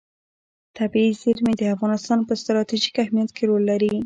طبیعي زیرمې د افغانستان په ستراتیژیک اهمیت کې رول لري.